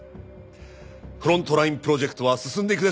フロントラインプロジェクトは進んでいくでしょう。